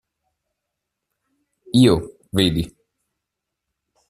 Io, vedi.